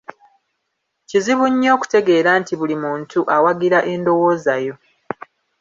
Kizibu nnyo okutegeera nti buli muntu awagira endowooza yo.